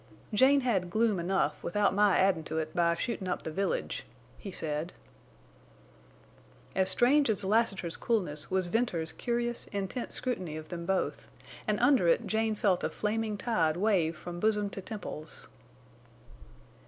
"Jane had gloom enough without my addin' to it by shootin' up the village," he said. As strange as Lassiter's coolness was Venters's curious, intent scrutiny of them both, and under it Jane felt a flaming tide wave from bosom to temples.